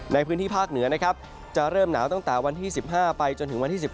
ในพื้นที่ภาคเหนือนะครับจะเริ่มหนาวตั้งแต่วันที่๑๕ไปจนถึงวันที่๑๙